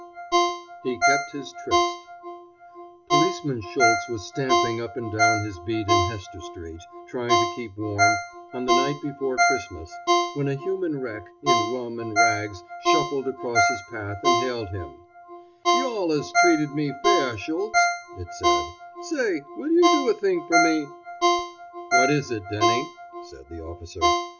HE KEPT HIS TRYST Policeman Schultz was stamping up and down his beat in Hester street, trying to keep warm, on the night before Christmas, when a human wreck, in rum and rags, shuffled across his path and hailed him: "You allus treated me fair, Schultz," it said; "say, will you do a thing for me?" "What is it, Denny?" said the officer.